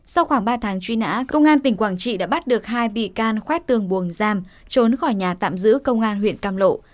sau khoảng ba tháng truy nã công an tỉnh quảng trị đã bắt được hai bị can khoét tường buồng giam trốn khỏi nhà tạm giữ công an huyện cam lộ